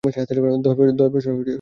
দশ বছর পরের কথা।